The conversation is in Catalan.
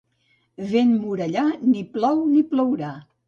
Vent morellà, ni plou ni plourà.